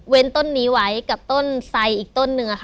เว้นต้นนี้ไหวกับต้นไซด์อีกต้นนึงอะค่ะ